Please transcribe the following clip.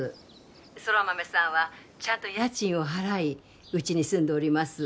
☎空豆さんはちゃんと家賃を払いうちに住んでおります